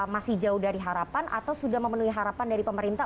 masih jauh dari harapan atau sudah memenuhi harapan dari pemerintah